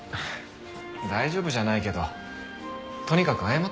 大丈夫じゃないけどとにかく謝ってみるよ。